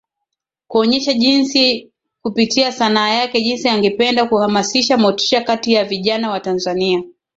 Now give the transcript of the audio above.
kuonyesha jinsi kupitia sanaa yake jinsi angependa kuhamasisha motisha kati ya vijana wa Tanzania